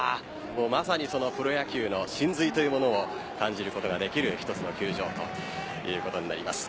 まさにプロ野球の真髄というものを感じることができる一つの球場ということになります。